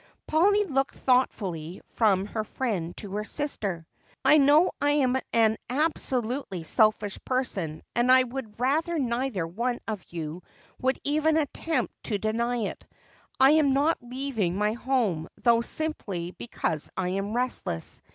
Polly looked thoughtfully from her friend to her sister. "I know I am an absolutely selfish person and I would rather neither one of you would even attempt to deny it. I am not leaving my home though simply because I am restless.